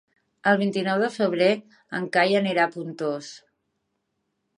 El vint-i-nou de febrer en Cai anirà a Pontós.